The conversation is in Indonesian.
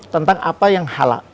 tentang apa yang